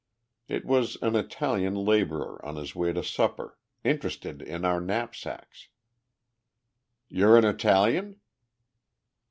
It was an Italian labourer on his way to supper, interested in our knapsacks. "You're an Italian?"